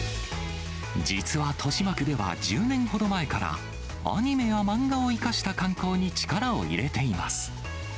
実は豊島区では、１０年ほど前から、アニメや漫画を生かした観光に力を入れています。